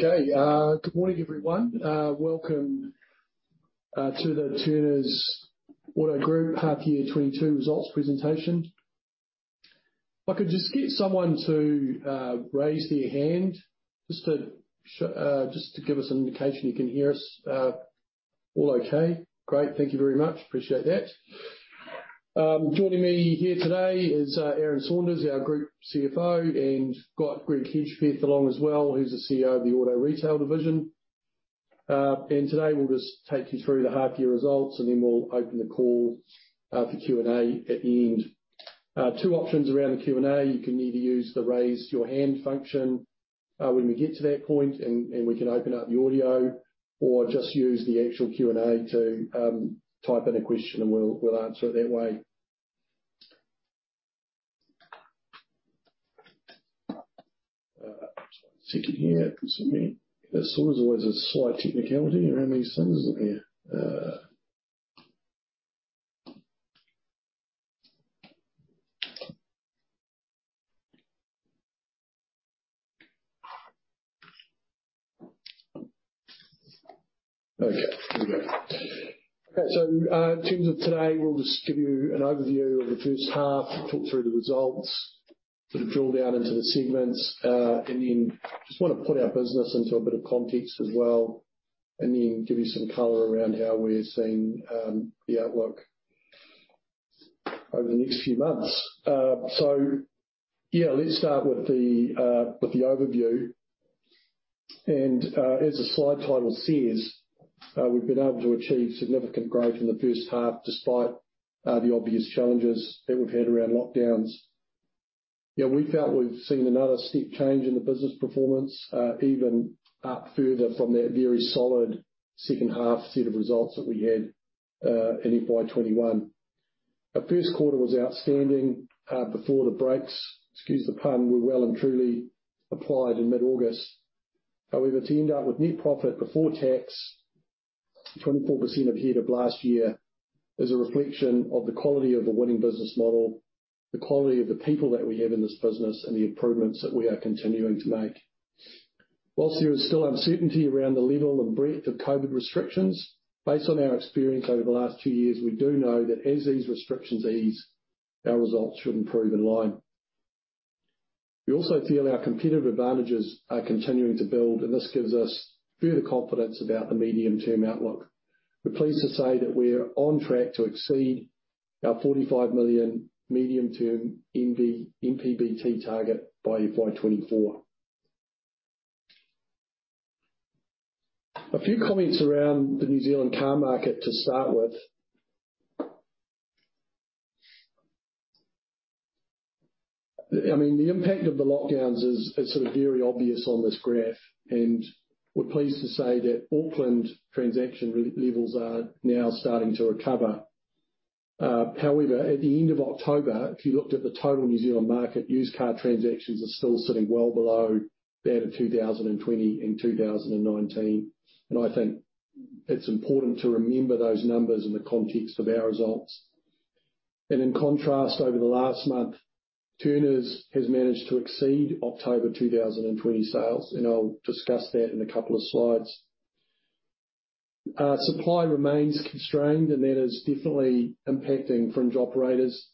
Okay. Good morning, everyone. Welcome to the Turners Automotive Group half year 2022 results presentation. If I could just get someone to raise their hand just to give us an indication you can hear us. All okay. Great. Thank you very much. Appreciate that. Joining me here today is Aaron Saunders, our Group CFO, and got Greg Hedgepeth along as well, who's the CEO of the Auto Retail division. Today, we'll just take you through the half year results, and then we'll open the call for Q&A at the end. Two options around the Q&A. You can either use the Raise Your Hand function, when we get to that point and we can open up the audio or just use the actual Q&A to type in a question and we'll answer it that way. Just one second here. There sort of always a slight technicality around these things, isn't there? Okay, here we go. In terms of today, we'll just give you an overview of the first half, talk through the results, sort of drill down into the segments, and then just wanna put our business into a bit of context as well, and then give you some color around how we're seeing the outlook over the next few months. Yeah, let's start with the overview. As the slide title says, we've been able to achieve significant growth in the first half despite the obvious challenges that we've had around lockdowns. You know, we felt we've seen another steep change in the business performance, even up further from that very solid second half set of results that we had in FY 2021. Our first quarter was outstanding before the brakes, excuse the pun, were well and truly applied in mid-August. However, to end up with net profit before tax 24% ahead of last year is a reflection of the quality of the winning business model, the quality of the people that we have in this business, and the improvements that we are continuing to make. While there is still uncertainty around the level and breadth of COVID restrictions, based on our experience over the last two years, we do know that as these restrictions ease, our results should improve in line. We also feel our competitive advantages are continuing to build, and this gives us further confidence about the medium-term outlook. We're pleased to say that we're on track to exceed our 45 million medium-term NPBT target by FY 2024. A few comments around the New Zealand car market to start with. I mean, the impact of the lockdowns is sort of very obvious on this graph, and we're pleased to say that Auckland transaction re-levels are now starting to recover. However, at the end of October, if you looked at the total New Zealand market, used car transactions are still sitting well below that of 2020 and 2019. In contrast, over the last month, Turners has managed to exceed October 2020 sales, and I'll discuss that in a couple of slides. Supply remains constrained, and that is definitely impacting fringe operators.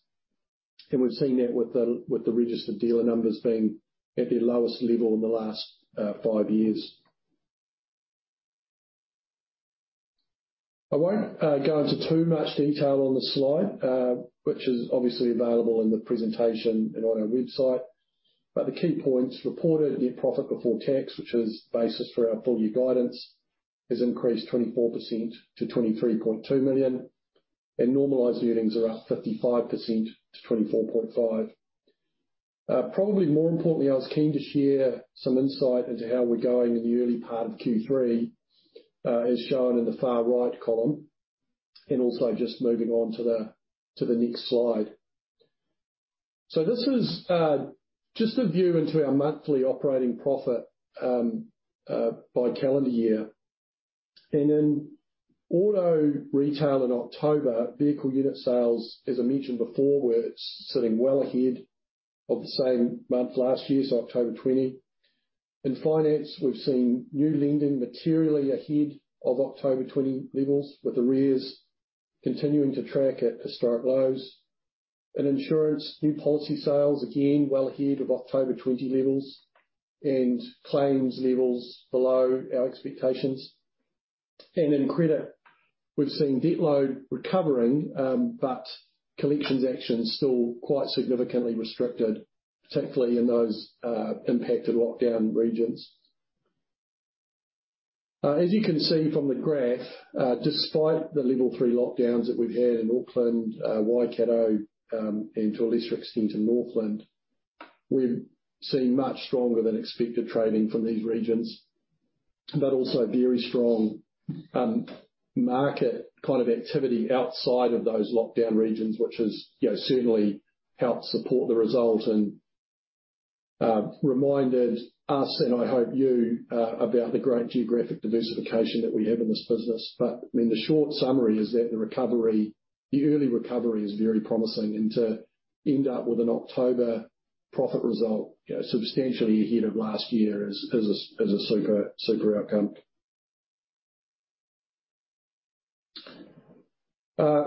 We've seen that with the registered dealer numbers being at their lowest level in the last five years. I won't go into too much detail on the slide, which is obviously available in the presentation and on our website. Key points, reported net profit before tax, which is basis for our full year guidance, has increased 24% to 23.2 million. Normalized earnings are up 55% to 24.5 million. Probably more importantly, I was keen to share some insight into how we're going in the early part of Q3, as shown in the far right column, and also just moving on to the next slide. This is just a view into our monthly operating profit by calendar year. In auto retail in October, vehicle unit sales, as I mentioned before, were sitting well ahead of the same month last year, so October 2020. In finance, we've seen new lending materially ahead of October 2020 levels, with arrears continuing to track at historic lows. In insurance, new policy sales, again, well ahead of October 2020 levels and claims levels below our expectations. In credit, we've seen debt load recovering, but collections action is still quite significantly restricted, particularly in those impacted lockdown regions. As you can see from the graph, despite the level three lockdowns that we've had in Auckland, Waikato, and to a lesser extent in Northland, we've seen much stronger than expected trading from these regions. Also very strong market kind of activity outside of those lockdown regions, which has, you know, certainly helped support the result and reminded us, and I hope you, about the great geographic diversification that we have in this business. I mean, the short summary is that the recovery, the early recovery is very promising, end up with an October profit result, you know, substantially ahead of last year is a super outcome.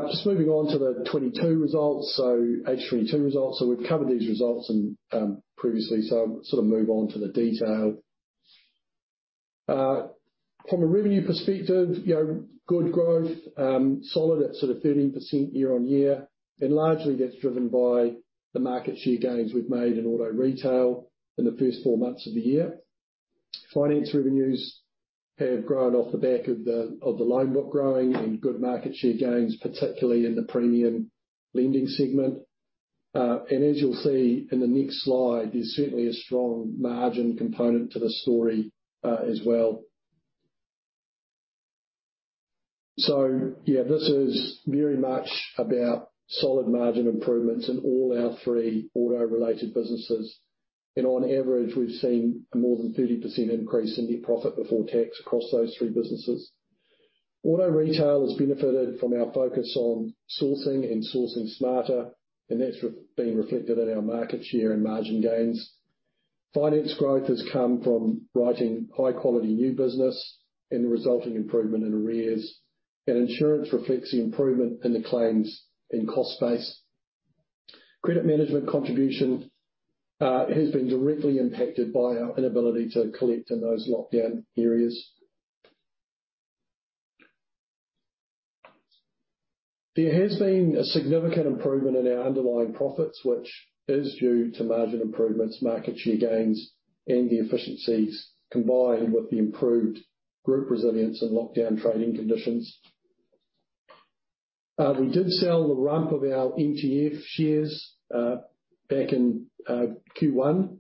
Just moving on to the 2022 results. H22 results. We've covered these results previously, so I'll sort of move on to the detail. From a revenue perspective, you know, good growth, solid at sort of 13% year-on-year. Largely that's driven by the market share gains we've made in Auto Retail in the first four months of the year. Finance revenues have grown off the back of the loan book growing and good market share gains, particularly in the premium lending segment. As you'll see in the next slide, there's certainly a strong margin component to the story, as well. Yeah, this is very much about solid margin improvements in all our three auto-related businesses. On average, we've seen a more than 30% increase in net profit before tax across those three businesses. Auto Retail has benefited from our focus on sourcing and sourcing smarter, and that's being reflected in our market share and margin gains. Finance growth has come from writing high quality new business and the resulting improvement in arrears. Insurance reflects the improvement in the claims and cost base. Credit Management contribution has been directly impacted by our inability to collect in those lockdown areas. There has been a significant improvement in our underlying profits, which is due to margin improvements, market share gains, and the efficiencies, combined with the improved group resilience in lockdown trading conditions. We did sell the rump of our MTF shares back in Q1.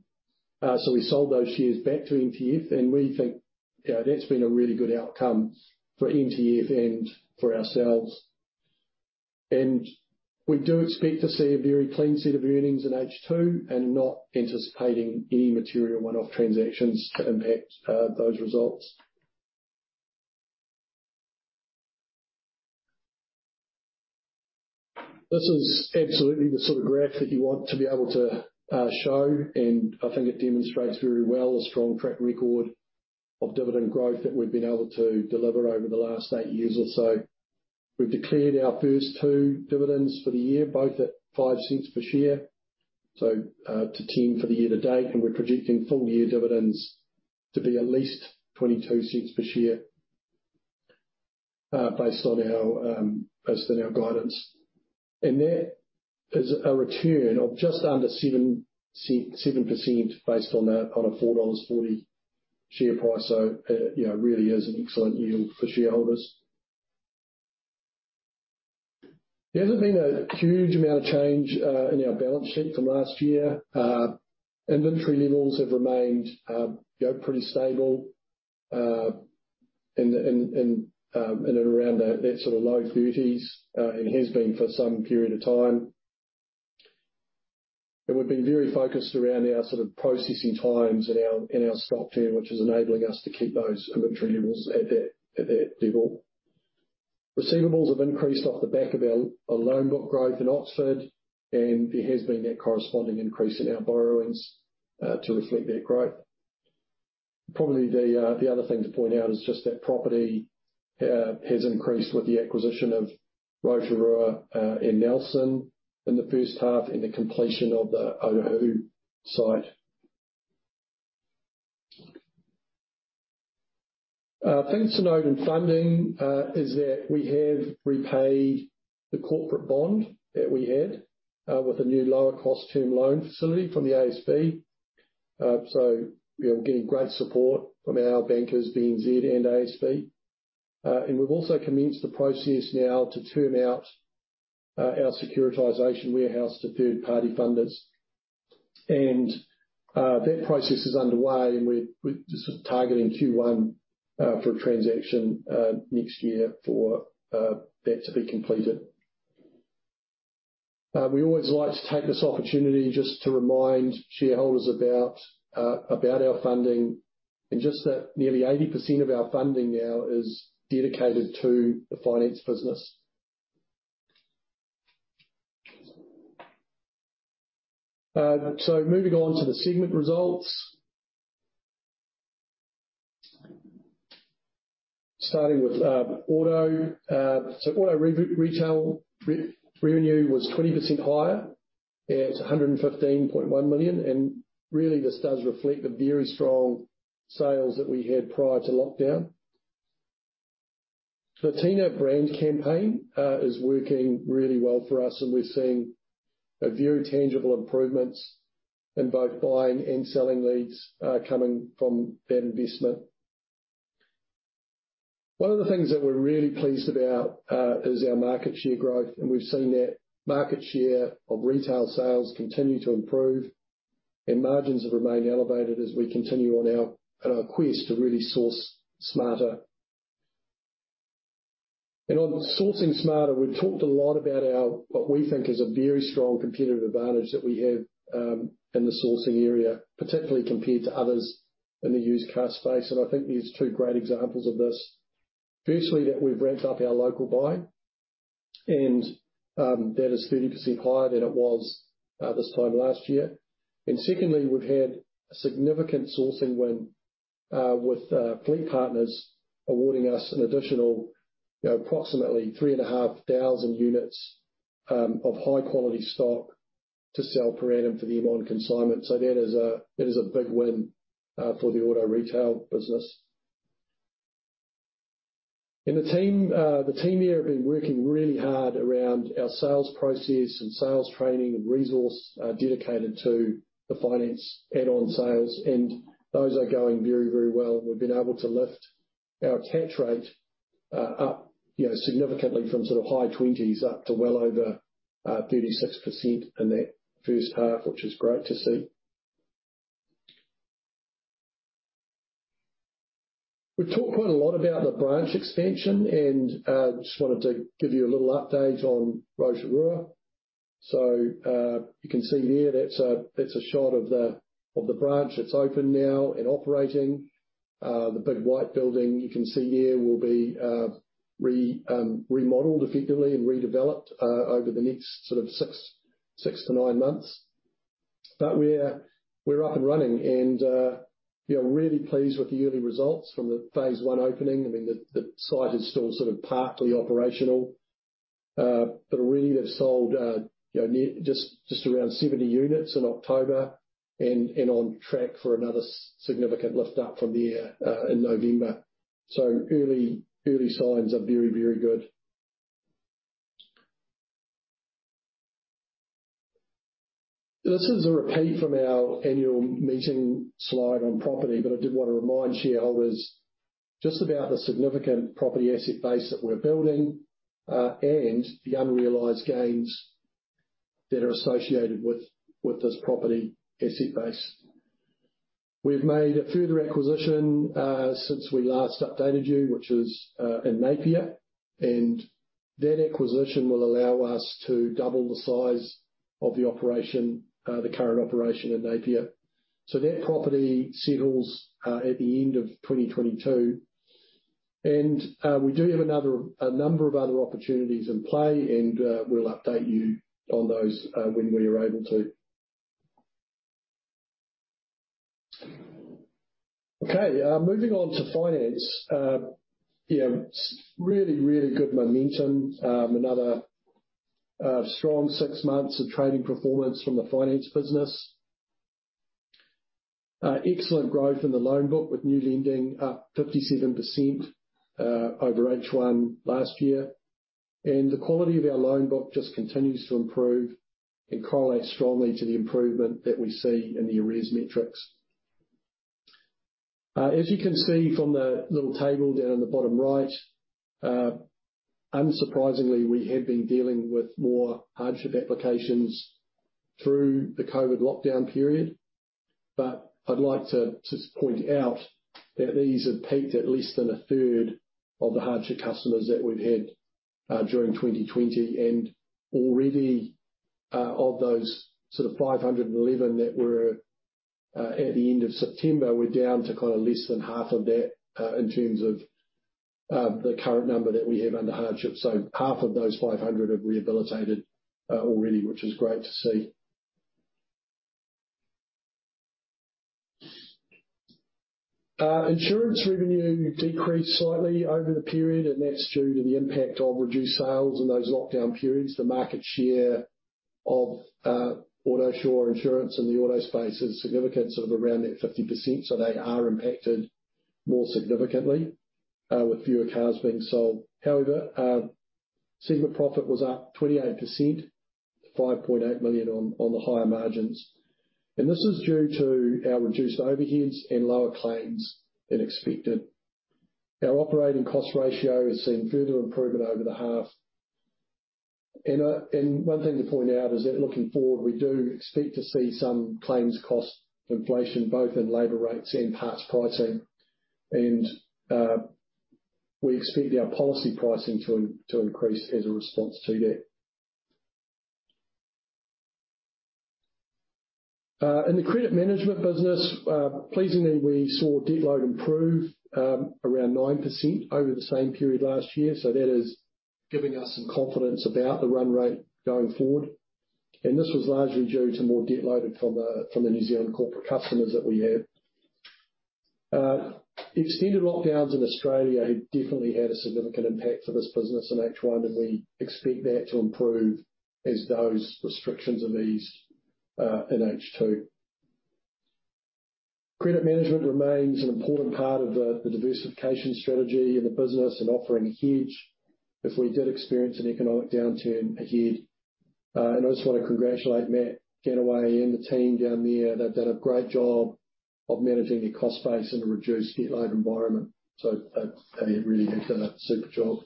We sold those shares back to MTF, and we think, you know, that's been a really good outcome for MTF and for ourselves. We do expect to see a very clean set of earnings in H2, and not anticipating any material one-off transactions to impact those results. This is absolutely the sort of graph that you want to be able to show, and I think it demonstrates very well the strong track record of dividend growth that we've been able to deliver over the last eight years or so. We've declared our first two dividends for the year, both at 0.05 per share, so to 0.10 for the year to date, and we're projecting full year dividends to be at least 0.22 per share, based on our guidance. That is a return of just under 7% based on a 4.40 dollars share price. You know, really is an excellent yield for shareholders. There hasn't been a huge amount of change in our balance sheet from last year. Inventory levels have remained, you know, pretty stable in and around that sort of low 30s, and has been for some period of time. We've been very focused around our sort of processing times in our stock turn, which is enabling us to keep those inventory levels at that level. Receivables have increased off the back of our loan book growth in Oxford, and there has been that corresponding increase in our borrowings to reflect that growth. Probably the other thing to point out is just that property has increased with the acquisition of Rotorua and Nelson in the first half, and the completion of the Otahuhu site. Things to note in funding is that we have repaid the corporate bond that we had with a new lower cost term loan facility from the ASB. We are getting great support from our bankers, BNZ and ASB. We've also commenced the process now to turn over our securitization warehouse to third-party funders. That process is underway and we're just targeting Q1 for a transaction next year for that to be completed. We always like to take this opportunity just to remind shareholders about our funding and just that nearly 80% of our funding now is dedicated to the finance business. Moving on to the segment results. Starting with Auto. Auto retail revenue was 20% higher at 115.1 million, and really this does reflect the very strong sales that we had prior to lockdown. The Tina brand campaign is working really well for us, and we're seeing very tangible improvements in both buying and selling leads coming from that investment. One of the things that we're really pleased about is our market share growth, and we've seen that market share of retail sales continue to improve and margins have remained elevated as we continue on our quest to really source smarter. On sourcing smarter, we've talked a lot about our, what we think is a very strong competitive advantage that we have, in the sourcing area, particularly compared to others in the used car space. I think there's two great examples of this. Firstly, that we've ramped up our local buy and, that is 30% higher than it was, this time last year. Secondly, we've had significant sourcing win, with, FleetPartners awarding us an additional, you know, approximately 3,500 units, of high-quality stock to sell per annum for them on consignment. That is a big win for the auto retail business. The team here have been working really hard around our sales process and sales training and resource dedicated to the finance add-on sales, and those are going very, very well. We've been able to lift our attach rate up, you know, significantly from sort of high 20s up to well over 36% in that first half, which is great to see. We've talked quite a lot about the branch expansion and just wanted to give you a little update on Rotorua. You can see there, that's a shot of the branch. It's open now and operating. The big white building you can see there will be remodeled effectively and redeveloped over the next sort of 6-9 months. We're up and running and you know, really pleased with the early results from the phase one opening. I mean, the site is still sort of partly operational, but already they've sold you know, just around 70 units in October and on track for another significant lift up from there in November. Early signs are very good. This is a repeat from our annual meeting slide on property, but I did want to remind shareholders just about the significant property asset base that we're building and the unrealized gains that are associated with this property asset base. We've made a further acquisition since we last updated you, which is in Napier. That acquisition will allow us to double the size of the operation, the current operation in Napier. That property settles at the end of 2022. We do have a number of other opportunities in play and we'll update you on those when we are able to. Okay, moving on to finance. You know, really good momentum. Another strong six months of trading performance from the finance business. Excellent growth in the loan book with new lending up 57% over H1 last year. The quality of our loan book just continues to improve and correlates strongly to the improvement that we see in the arrears metrics. As you can see from the little table down in the bottom right, unsurprisingly, we have been dealing with more hardship applications through the COVID lockdown period. I'd like to point out that these have peaked at less than a third of the hardship customers that we've had during 2020. Already, of those sort of 511 that were at the end of September, we're down to kind of less than half of that in terms of the current number that we have under hardship. Half of those 500 have rehabilitated already which is great to see. Insurance revenue decreased slightly over the period, and that's due to the impact of reduced sales in those lockdown periods. The market share of Autosure Insurance in the auto space is significant, sort of around that 50%. They are impacted more significantly with fewer cars being sold. However, segment profit was up 28% to 5.8 million on the higher margins. This is due to our reduced overheads and lower claims than expected. Our operating cost ratio has seen further improvement over the half. One thing to point out is that looking forward, we do expect to see some claims cost inflation, both in labor rates and parts pricing. We expect our policy pricing to increase as a response to that. In the credit management business, pleasingly, we saw debt book improve around 9% over the same period last year. That is giving us some confidence about the run rate going forward. This was largely due to more debt loaded from the New Zealand corporate customers that we have. Extended lockdowns in Australia have definitely had a significant impact for this business in H1, and we expect that to improve as those restrictions ease in H2. Credit management remains an important part of the diversification strategy in the business and offering a hedge if we did experience an economic downturn ahead. I just wanna congratulate Matt Gannaway and the team down there. They've done a great job of managing a cost base in a reduced debt load environment. They really have done a super job.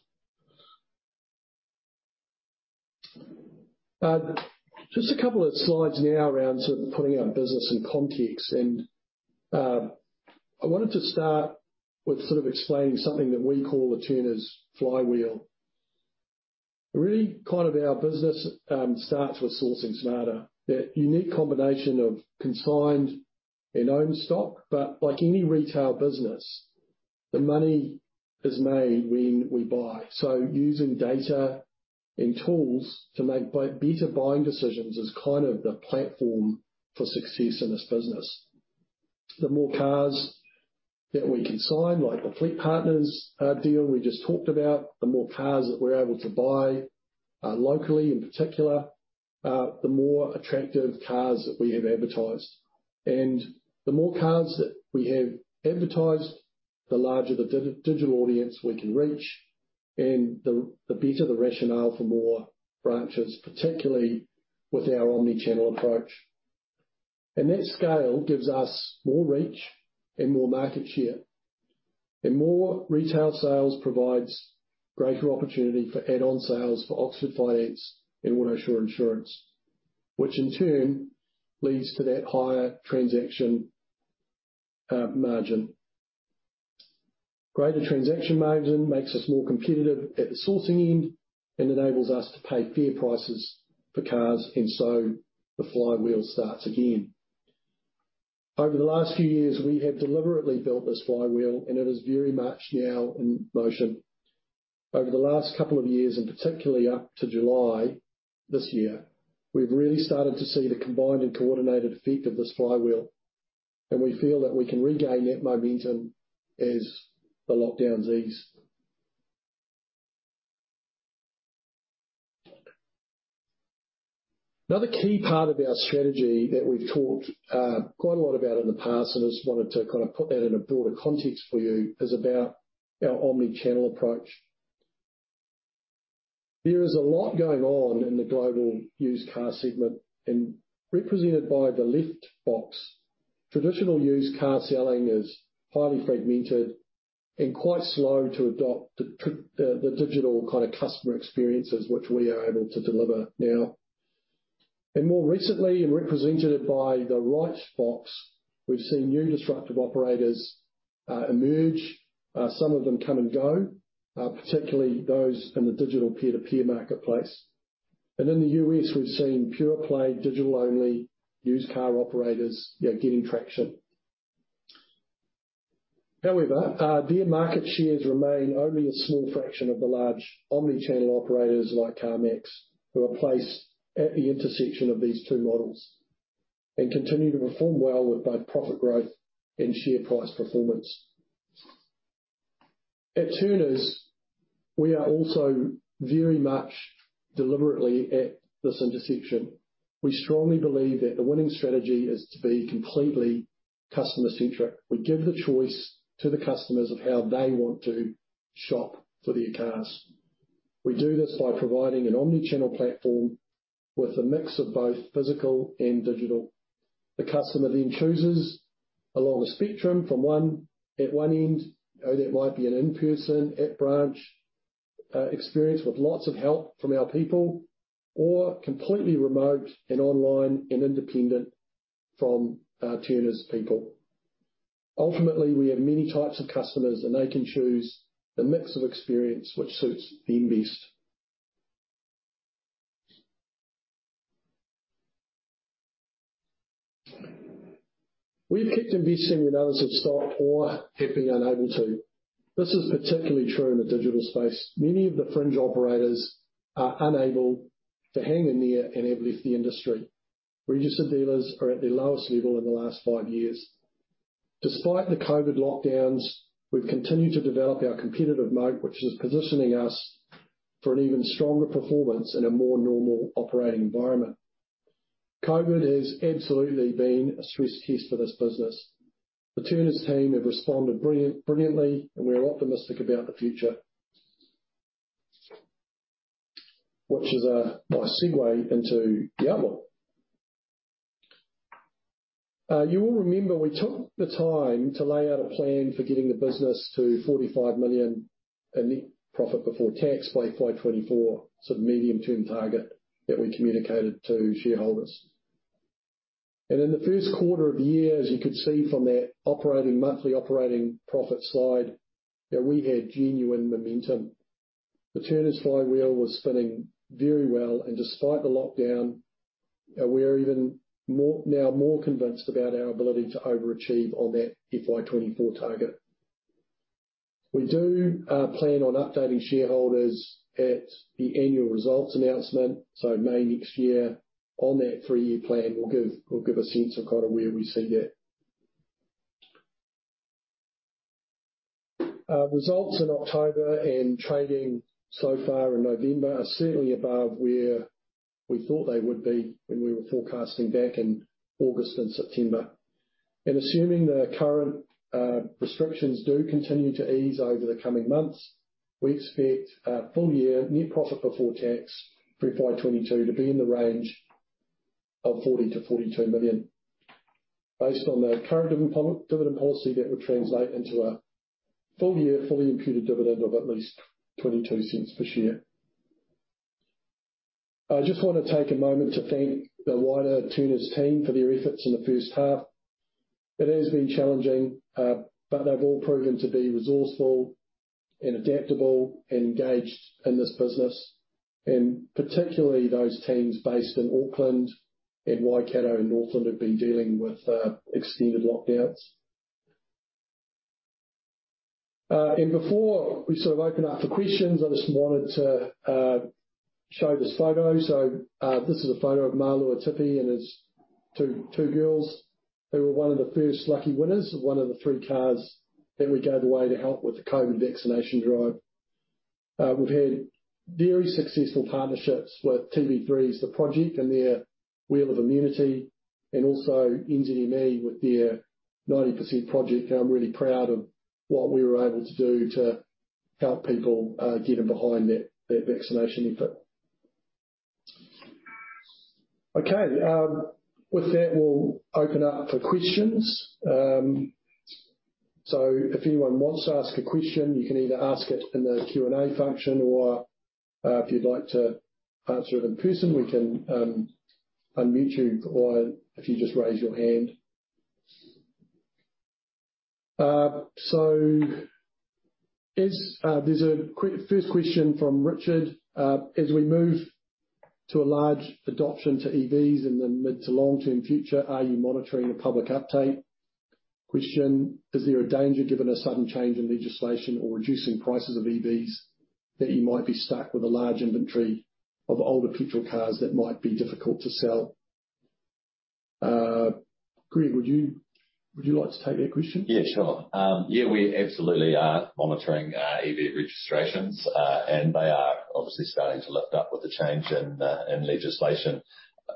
Just a couple of slides now around sort of putting our business in context. I wanted to start with sort of explaining something that we call the Turners flywheel. Really kind of our business starts with sourcing smarter. That unique combination of consigned and owned stock, but like any retail business, the money is made when we buy. So using data and tools to make better buying decisions is kind of the platform for success in this business. The more cars that we can sign, like the FleetPartners deal we just talked about, the more cars that we're able to buy locally in particular, the more attractive cars that we have advertised. The more cars that we have advertised, the larger the digital audience we can reach, and the better the rationale for more branches, particularly with our omni-channel approach. That scale gives us more reach and more market share. More retail sales provides greater opportunity for add-on sales for Oxford Finance and Autosure Insurance, which in turn leads to that higher transaction margin. Greater transaction margin makes us more competitive at the sourcing end and enables us to pay fair prices for cars. The flywheel starts again. Over the last few years, we have deliberately built this flywheel, and it is very much now in motion. Over the last couple of years, and particularly up to July this year, we've really started to see the combined and coordinated effect of this flywheel, and we feel that we can regain that momentum as the lockdowns ease. Another key part of our strategy that we've talked quite a lot about in the past, and I just wanted to kind of put that in a broader context for you, is about our omni-channel approach. There is a lot going on in the global used car segment. Represented by the left box, traditional used car selling is highly fragmented and quite slow to adopt the digital kind of customer experiences which we are able to deliver now. More recently, represented by the right box, we've seen new disruptive operators emerge. Some of them come and go, particularly those in the digital peer-to-peer marketplace. In the U.S. we've seen pure-play, digital-only used car operators gaining traction. However, their market shares remain only a small fraction of the large omni-channel operators like CarMax, who are placed at the intersection of these two models and continue to perform well with both profit growth and share price performance. At Turners, we are also very much deliberately at this intersection. We strongly believe that the winning strategy is to be completely customer-centric. We give the choice to the customers of how they want to shop for their cars. We do this by providing an omni-channel platform with a mix of both physical and digital. The customer then chooses along the spectrum at one end, you know, that might be an in-person, at-branch experience with lots of help from our people, or completely remote and online and independent from Turners people. Ultimately, we have many types of customers, and they can choose the mix of experience which suits them best. We've kept investing when others have stopped or have been unable to. This is particularly true in the digital space. Many of the fringe operators are unable to hang in there and have left the industry. Registered dealers are at their lowest level in the last 5 years. Despite the COVID lockdowns, we've continued to develop our competitive moat, which is positioning us for an even stronger performance in a more normal operating environment. COVID has absolutely been a stress test for this business. The Turners team have responded brilliantly, and we are optimistic about the future. Which is a nice segue into the outlook. You will remember we took the time to lay out a plan for getting the business to 45 million in net profit before tax by FY 2024. Sort of medium term target that we communicated to shareholders. In the first quarter of the year, as you could see from that monthly operating profit slide, that we had genuine momentum. The Turners flywheel was spinning very well. Despite the lockdown, we are now more convinced about our ability to overachieve on that FY 2024 target. We do plan on updating shareholders at the annual results announcement, so May next year, on that three-year plan. We'll give a sense of kind of where we see that. Results in October and trading so far in November are certainly above where we thought they would be when we were forecasting back in August and September. Assuming the current restrictions do continue to ease over the coming months, we expect a full year net profit before tax for FY 2022 to be in the range of 40 million-42 million. Based on the current dividend policy, that would translate into a full year, fully imputed dividend of at least 0.22 per share. I just wanna take a moment to thank the wider Turners team for their efforts in the first half. It has been challenging, but they've all proven to be resourceful and adaptable and engaged in this business, and particularly those teams based in Auckland and Waikato and Northland who've been dealing with extended lockdowns. Before we sort of open up for questions, I just wanted to show this photo. This is a photo of Malua Tipi and his two girls, who were one of the first lucky winners of one of the three cars that we gave away to help with the COVID vaccination drive. We've had very successful partnerships with Three's The Project and their Wheel of Immunity, and also NZME with their 90% Project. I'm really proud of what we were able to do to help people, getting behind that vaccination effort. Okay, with that, we'll open up for questions. So if anyone wants to ask a question, you can either ask it in the Q&A function or, if you'd like to answer it in person, we can, unmute you, or if you just raise your hand. There's a first question from Richard. As we move to a larger adoption of EVs in the mid- to long-term future, are you monitoring the public uptake? Question, is there a danger, given a sudden change in legislation or reducing prices of EVs, that you might be stuck with a large inventory of older petrol cars that might be difficult to sell? Greg, would you like to take that question? Yeah, sure. We absolutely are monitoring EV registrations, and they are obviously starting to lift up with the change in legislation.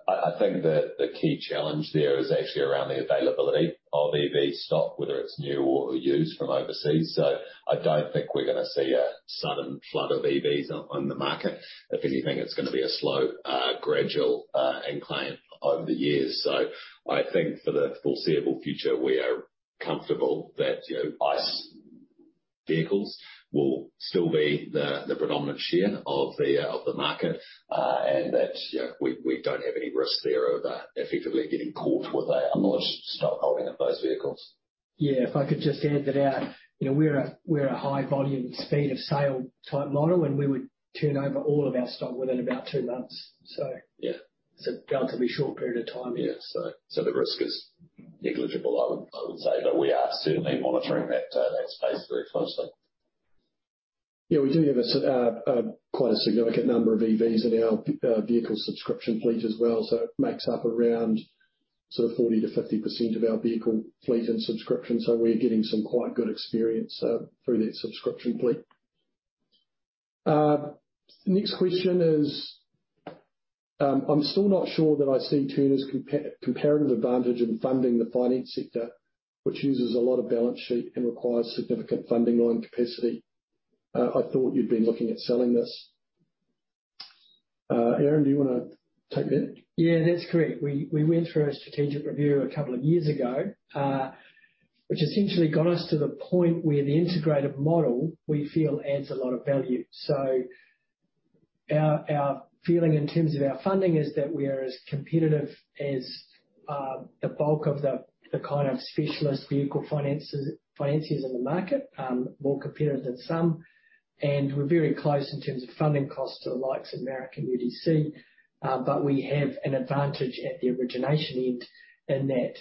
I think that the key challenge there is actually around the availability of EV stock, whether it's new or used from overseas. So I don't think we're gonna see a sudden flood of EVs on the market. If anything, it's gonna be a slow, gradual incline over the years. So I think for the foreseeable future, we are comfortable that, you know, ICE vehicles will still be the predominant share of the market, and that, you know, we don't have any risk there of effectively getting caught with a large stockholding of those vehicles. Yeah, if I could just add that. You know, we're a high volume speed of sale type model, and we would turn over all of our stock within about 2 months. Yeah. It's a relatively short period of time. Yeah. The risk is negligible, I would say. But we are certainly monitoring that space very closely. Yeah, we do have quite a significant number of EVs in our vehicle subscription fleet as well. It makes up around sort of 40%-50% of our vehicle fleet and subscription. We're getting some quite good experience through that subscription fleet. Next question is, I'm still not sure that I see Turners comparative advantage in funding the finance sector, which uses a lot of balance sheet and requires significant funding line capacity. I thought you'd been looking at selling this. Aaron, do you wanna take that? Yeah, that's correct. We went through a strategic review a couple of years ago, which essentially got us to the point where the integrated model, we feel, adds a lot of value. Our feeling in terms of our funding is that we are as competitive as the bulk of the kind of specialist vehicle financiers in the market, more competitive than some. We're very close in terms of funding costs to the likes of MTF, UDC. We have an advantage at the origination end in that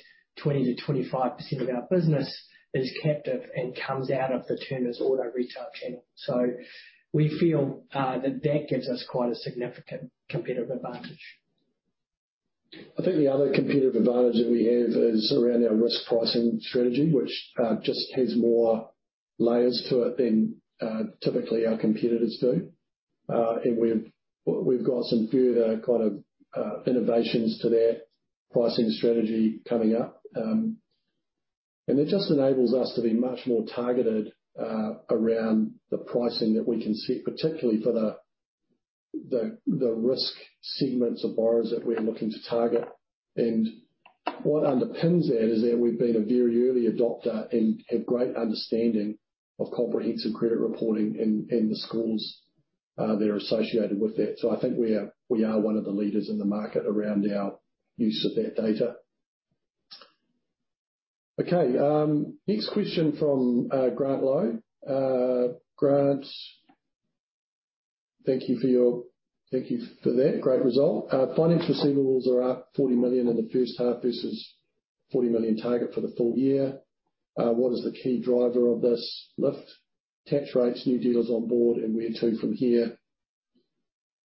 20%-25% of our business is captive and comes out of the Turners Auto Retail channel. We feel that gives us quite a significant competitive advantage. I think the other competitive advantage that we have is around our risk pricing strategy, which just has more layers to it than typically our competitors do. We've got some further kind of innovations to that pricing strategy coming up. It just enables us to be much more targeted around the pricing that we can set, particularly for the risk segments of borrowers that we're looking to target. What underpins that is that we've been a very early adopter and have great understanding of Comprehensive Credit Reporting and the scores that are associated with that. I think we are one of the leaders in the market around our use of that data. Okay, next question from Grant Lowe. Grant, thank you for that great result. Financial receivables are up 40 million in the first half versus 40 million target for the full year. What is the key driver of this lift? Attach rates, new dealers on board, and where to from here?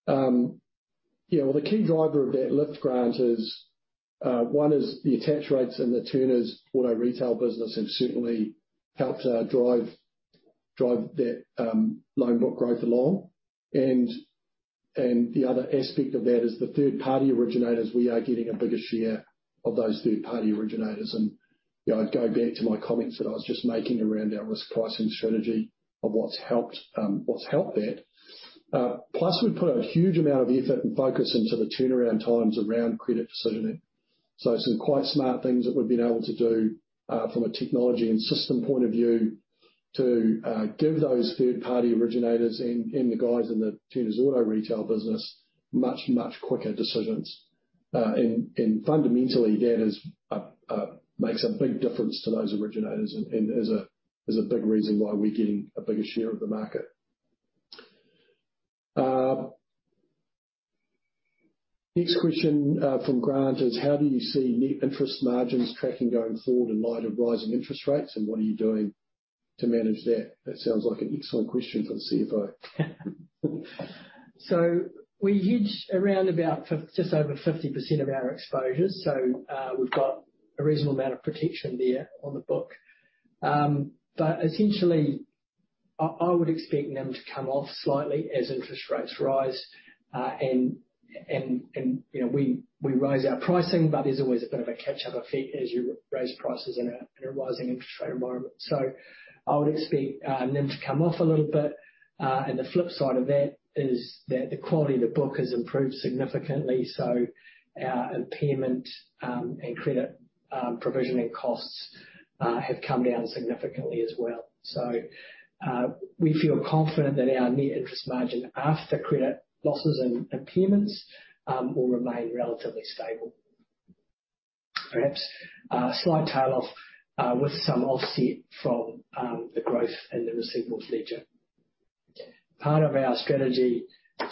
Yeah, well, the key driver of that lift, Grant, is one is the attach rates in the Turners Auto Retail business have certainly helped drive that loan book growth along. The other aspect of that is the third-party originators. We are getting a bigger share of those third-party originators. You know, I'd go back to my comments that I was just making around our risk pricing strategy of what's helped that. Plus we've put a huge amount of effort and focus into the turnaround times around credit decisioning, some quite smart things that we've been able to do, from a technology and system point of view to give those third-party originators and the guys in the Turners Auto Retail business much quicker decisions. Fundamentally, that makes a big difference to those originators and is a big reason why we're getting a bigger share of the market. Next question from Grant is, how do you see net interest margins tracking going forward in light of rising interest rates, and what are you doing to manage that? That sounds like an excellent question for the CFO. We hedge around about just over 50% of our exposure. We've got a reasonable amount of protection there on the book. Essentially, I would expect them to come off slightly as interest rates rise. You know, we raise our pricing, but there's always a bit of a catch-up effect as you raise prices in a rising interest rate environment. I would expect them to come off a little bit. The flip side of that is that the quality of the book has improved significantly, so our impairment and credit provisioning costs have come down significantly as well. We feel confident that our net interest margin after credit losses and impairments will remain relatively stable. Perhaps a slight tail off with some offset from the growth in the receivables ledger. Part of our strategy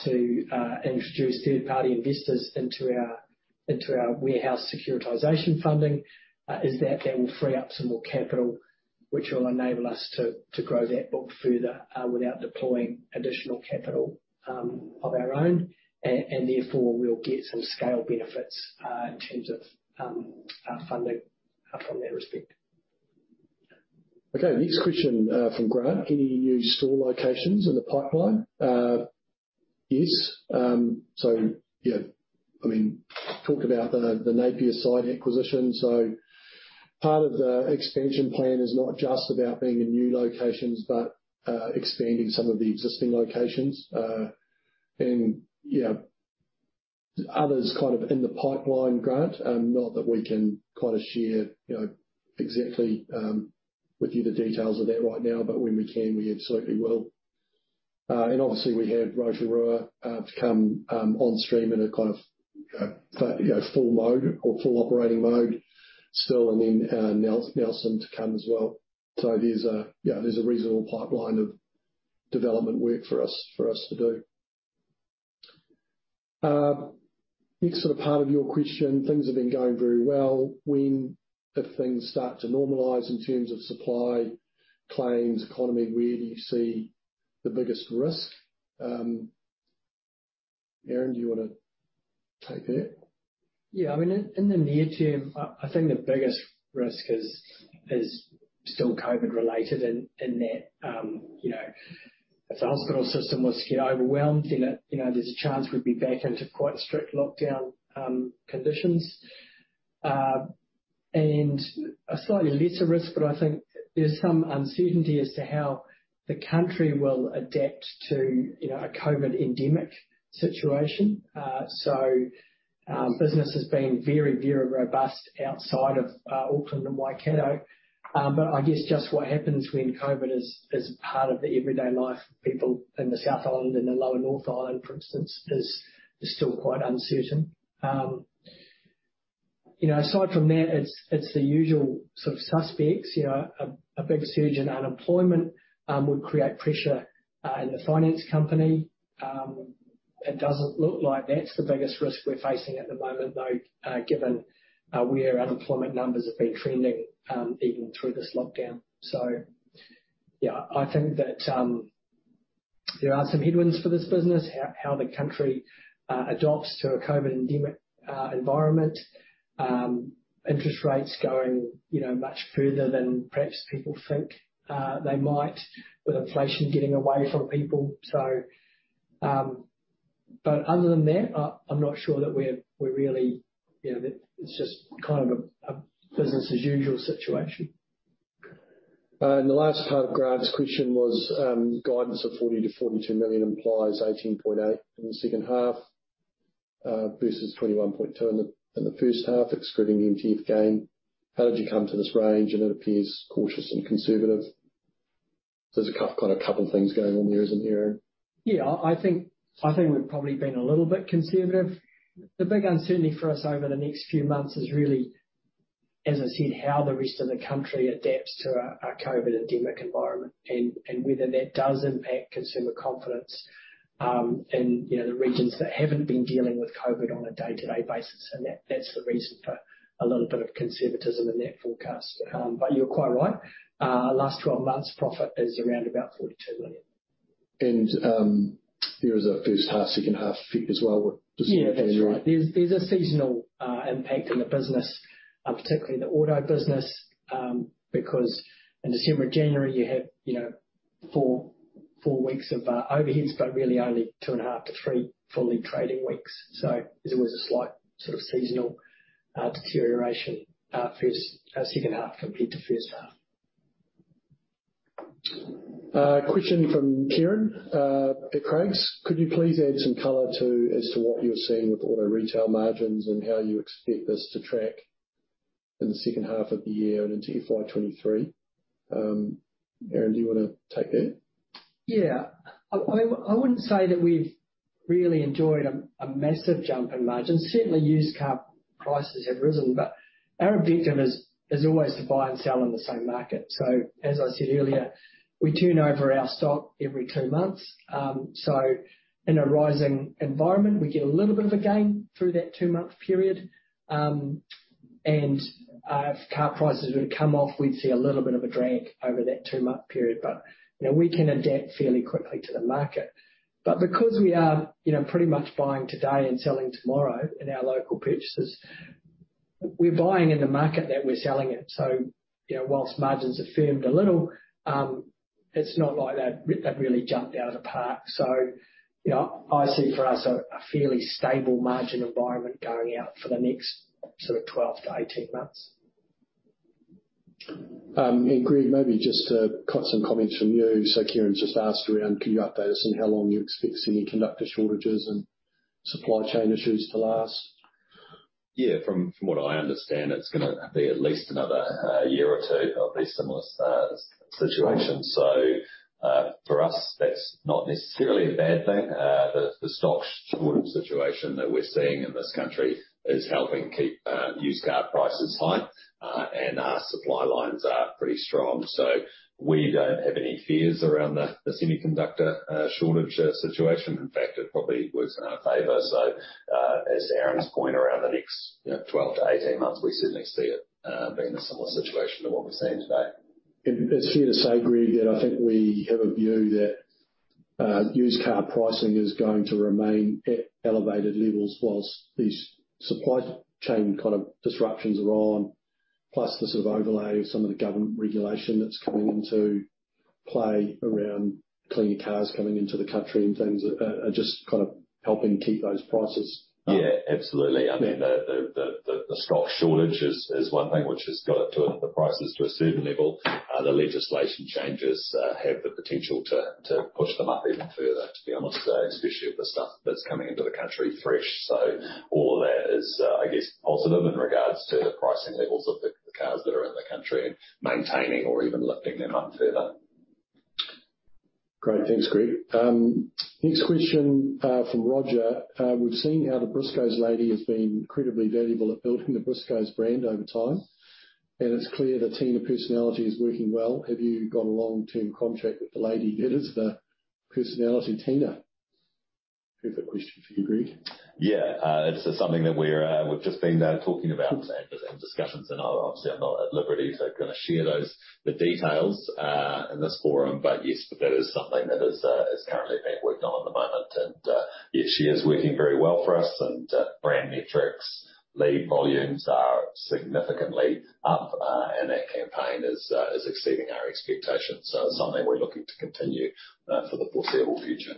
to introduce third-party investors into our warehouse securitization funding is that will free up some more capital, which will enable us to grow that book further without deploying additional capital of our own. We'll get some scale benefits in terms of our funding from that respect. Okay. Next question, from Grant. Any new store locations in the pipeline? Yes. Yeah, I mean, talk about the Napier site acquisition. Part of the expansion plan is not just about being in new locations, but expanding some of the existing locations. Yeah, others kind of in the pipeline, Grant, not that we can kind of share, you know, exactly with you the details of that right now, but when we can, we absolutely will. Obviously we have Rotorua to come on stream in a kind of you know, full mode or full operating mode still, and then Nelson to come as well. There's a reasonable pipeline of development work for us to do. Next sort of part of your question, things have been going very well. When, if things start to normalize in terms of supply, claims, economy, where do you see the biggest risk? Aaron, do you wanna take that? I mean, in the near term, I think the biggest risk is still COVID-related in that you know, if the hospital system was to get overwhelmed, then you know, there's a chance we'd be back into quite strict lockdown conditions. A slightly lesser risk, but I think there's some uncertainty as to how the country will adapt to you know, a COVID endemic situation. Business has been very robust outside of Auckland and Waikato. I guess just what happens when COVID is part of the everyday life of people in the South Island and the lower North Island, for instance, is still quite uncertain. You know, aside from that, it's the usual sort of suspects. You know, a big surge in unemployment would create pressure in the finance company. It doesn't look like that's the biggest risk we're facing at the moment though, given where unemployment numbers have been trending even through this lockdown. Yeah, I think that there are some headwinds for this business, how the country adapts to a COVID-endemic environment, interest rates going you know much further than perhaps people think they might with inflation getting away from people. Other than that, I'm not sure that we're really you know it's just kind of a business as usual situation. The last part of Grant's question was, guidance of 40 million-42 million implies 18.8 in the second half versus 21.2 in the first half, excluding the MTF gain. How did you come to this range, and it appears cautious and conservative? There's a kind of couple things going on there, isn't there, Aaron? Yeah. I think we've probably been a little bit conservative. The big uncertainty for us over the next few months is really, as I said, how the rest of the country adapts to a COVID endemic environment and whether that does impact consumer confidence, in, you know, the regions that haven't been dealing with COVID on a day-to-day basis. That, that's the reason for a little bit of conservatism in that forecast. You're quite right. Last 12 months' profit is around about 42 million. There is a first half, second half effect as well with December and January. Yeah, that's right. There's a seasonal impact in the business, particularly the auto business, because in December, January, you have, you know, 4 weeks of overheads but really only 2.5-3 fully trading weeks. So there was a slight sort of seasonal deterioration, second half compared to first half. Question from Kieran at Craigs. Could you please add some color as to what you're seeing with Auto Retail margins and how you expect this to track in the second half of the year and into FY 2023? Aaron, do you wanna take that? Yeah. I wouldn't say that we've really enjoyed a massive jump in margins. Certainly, used car prices have risen, but our objective is always to buy and sell in the same market. As I said earlier, we turn over our stock every two months. In a rising environment, we get a little bit of a gain through that two-month period. If car prices were to come off, we'd see a little bit of a drag over that two-month period. You know, we can adapt fairly quickly to the market. Because we are, you know, pretty much buying today and selling tomorrow in our local purchases, we're buying in the market that we're selling in. You know, while margins have firmed a little, it's not like they've really jumped out of park. You know, I see for us a fairly stable margin environment going out for the next sort of 12-18 months. Greg, maybe just got some comments from you. Kieran just asked around, can you update us on how long you expect semiconductor shortages and supply chain issues to last? Yeah. From what I understand, it's gonna be at least another year or two of these similar situations. For us, that's not necessarily a bad thing. The stock shortage situation that we're seeing in this country is helping keep used car prices high, and our supply lines are pretty strong. We don't have any fears around the semiconductor shortage situation. In fact, it probably works in our favor. As Aaron's point around the next, you know, 12-18 months, we certainly see it being a similar situation to what we're seeing today. It's fair to say, Greg, that I think we have a view that used car pricing is going to remain at elevated levels while these supply chain kind of disruptions are on, plus the sort of overlay of some of the government regulation that's coming into play around cleaner cars coming into the country and things are just kind of helping keep those prices up. Yeah, absolutely. I mean, the stock shortage is one thing which has got the prices to a certain level. The legislation changes have the potential to push them up even further, to be honest, especially with the stuff that's coming into the country fresh. All of that is, I guess, positive in regards to the pricing levels of the cars that are in the country and maintaining or even lifting them up further. Great. Thanks, Greg. Next question from Roger. We've seen how the Briscoes lady has been incredibly valuable at building the Briscoes brand over time, and it's clear the Tina personality is working well. Have you got a long-term contract with the lady? It is the personality, Tina. Perfect question for you, Greg. It's something that we've just been talking about and having discussions. Obviously I'm not at liberty to kinda share those details in this forum. Yes, that is something that is currently being worked on at the moment. She is working very well for us. Brand metrics, lead volumes are significantly up. That campaign is exceeding our expectations. It's something we're looking to continue for the foreseeable future.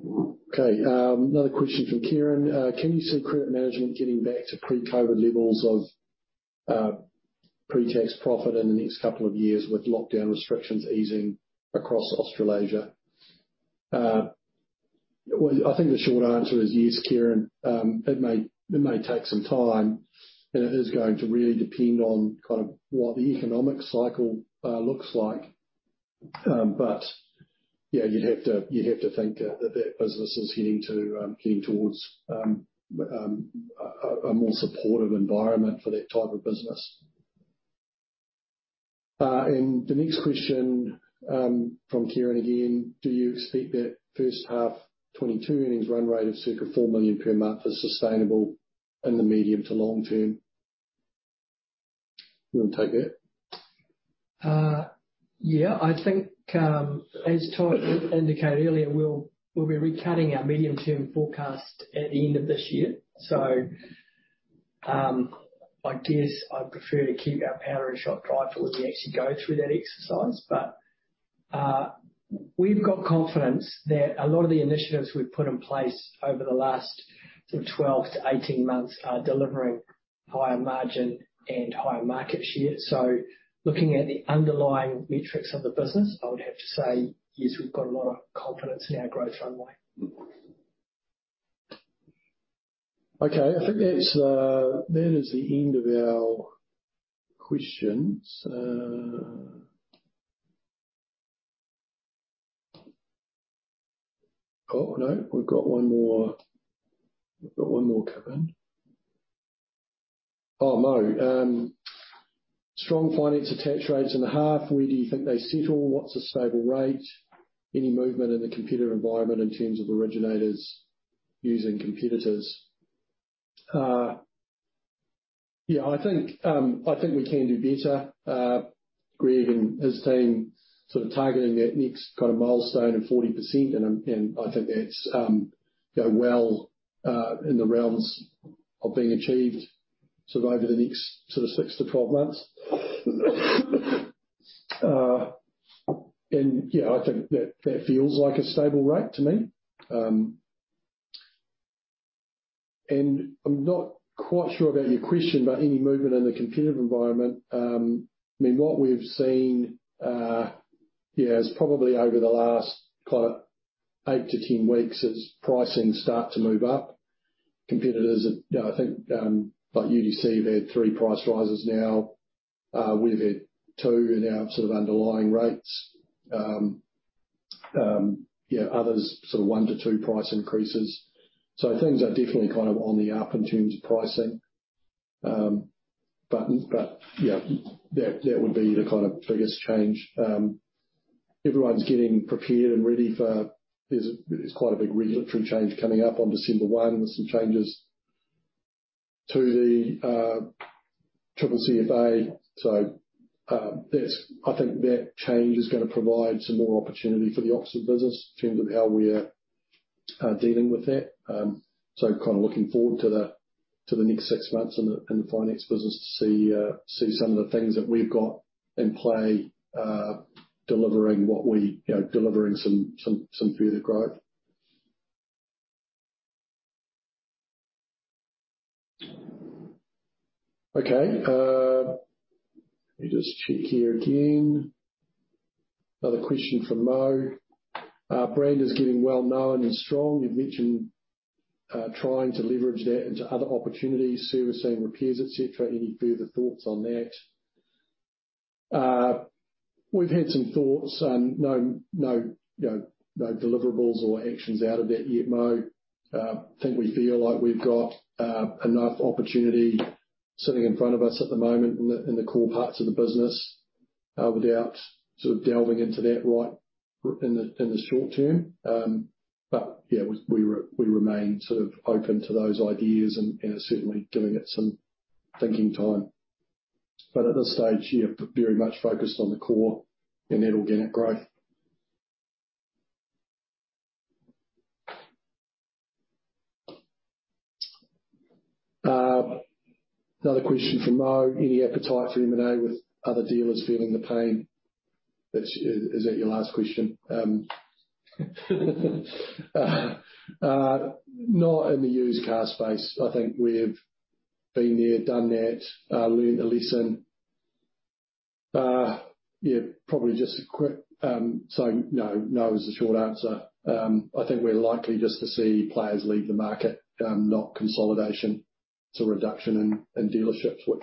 Okay. Another question from Kieran. Can you see credit management getting back to pre-COVID levels of pre-tax profit in the next couple of years with lockdown restrictions easing across Australasia? Well, I think the short answer is yes, Kieran. It may take some time, and it is going to really depend on kind of what the economic cycle looks like. Yeah, you'd have to think that that business is heading towards a more supportive environment for that type of business. The next question from Kieran again. Do you expect that first half 2022 earnings run rate of circa 4 million per month is sustainable in the medium to long term? You wanna take that? Yeah. I think, as Todd indicated earlier, we'll be recutting our medium-term forecast at the end of this year. I guess I'd prefer to keep our powder dry till we actually go through that exercise. We've got confidence that a lot of the initiatives we've put in place over the last sort of 12-18 months are delivering higher margin and higher market share. Looking at the underlying metrics of the business, I would have to say, yes, we've got a lot of confidence in our growth runway. Okay. I think that's the end of our questions. Oh, no, we've got one more coming in. Oh, Mo. Strong finance attach rates in the half. Where do you think they settle? What's a stable rate? Any movement in the competitor environment in terms of originators using competitors? Yeah, I think we can do better. Greg and his team sort of targeting that next kind of milestone of 40%. I think that's, you know, well, in the realms of being achieved sort of over the next 6-12 months. Yeah, I think that feels like a stable rate to me. I'm not quite sure about your question, but any movement in the competitive environment, I mean, what we've seen, yeah, is probably over the last kind of 8-10 weeks as pricing start to move up. Competitors have, you know, I think, like UDC, they had three price rises now. We've had two in our sort of underlying rates. Yeah, others sort of one to two price increases. So things are definitely kind of on the up in terms of pricing. But yeah, that would be the kind of biggest change. Everyone's getting prepared and ready for, there's quite a big regulatory change coming up on December 1 with some changes to the CCCFA. I think that change is gonna provide some more opportunity for the opposite business in terms of how we're dealing with that. I'm kind of looking forward to the next six months in the finance business to see some of the things that we've got in play delivering what we, you know, some further growth. Okay. Let me just check here again. Another question from Mo. Our brand is getting well-known and strong. You've mentioned trying to leverage that into other opportunities, servicing, repairs, et cetera. Any further thoughts on that? We've had some thoughts and, no, you know, no deliverables or actions out of that yet, Mo. Think we feel like we've got enough opportunity sitting in front of us at the moment in the core parts of the business without sort of delving into that right in the short term. Yeah, we remain sort of open to those ideas and are certainly giving it some thinking time. At this stage, yeah, very much focused on the core and that organic growth. Another question from Mo. Any appetite for M&A with other dealers feeling the pain? Is that your last question? Not in the used car space. I think we've been there, done that, learned the lesson. Yeah, probably just a quick, so no is the short answer. I think we're likely just to see players leave the market, not consolidation. Reduction in dealerships, which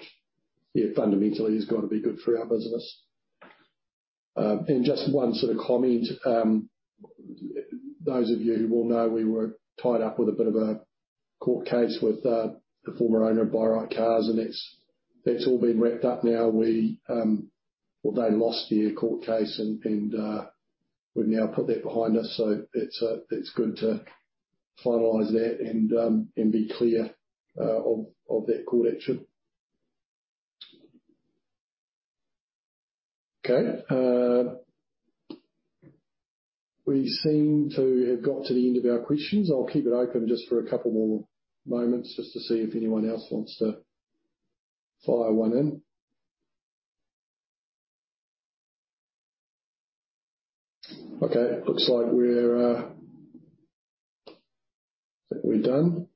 yeah, fundamentally is gonna be good for our business. Just one sort of comment. Those of you who will know, we were tied up with a bit of a court case with the former owner of Buy Right Cars, and it's all been wrapped up now. Well, they lost the court case and we've now put that behind us, so it's good to finalize that and be clear of that court action. Okay. We seem to have got to the end of our questions. I'll keep it open just for a couple more moments just to see if anyone else wants to fire one in. Okay. Looks like we're. I think we're done.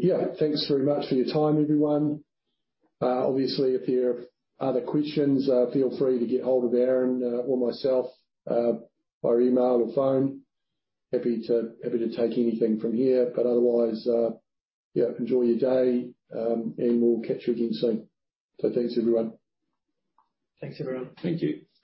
Yeah. Thanks very much for your time, everyone. Obviously, if you have other questions, feel free to get hold of Aaron or myself by email or phone. Happy to take anything from here. Otherwise, enjoy your day, and we'll catch you again soon. Thanks, everyone. Thanks, everyone. Thank you.